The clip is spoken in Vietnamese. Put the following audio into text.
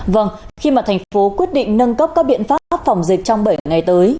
vâng khi mà thành phố quyết định nâng cấp các biện pháp phòng dịch trong bảy ngày tới